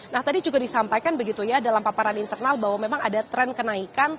nah tadi juga disampaikan begitu ya dalam paparan internal bahwa memang ada tren kenaikan